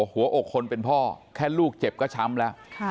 หัวอกคนเป็นพ่อแค่ลูกเจ็บก็ช้ำแล้ว